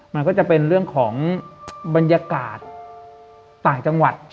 มันก็จะเป็นเรื่องของบรรยากาศต่างจังหวัด